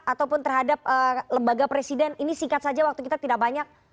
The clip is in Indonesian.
ataupun terhadap lembaga presiden ini singkat saja waktu kita tidak banyak